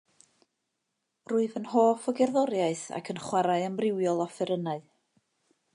Rwyf yn hoff o gerddoriaeth ac yn chwarae amrywiol offerynnau.